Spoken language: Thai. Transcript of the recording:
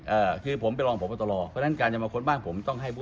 มองว่าเป็นการสกัดท่านหรือเปล่าครับเพราะว่าท่านก็อยู่ในตำแหน่งรองพอด้วยในช่วงนี้นะครับ